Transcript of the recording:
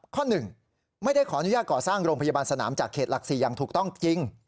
ข้อ๑ไม่ได้ขออนุญาตก่อสร้างโรงพยาบาลสนามจากเขตหลัก๔อย่างถูกต้องจริง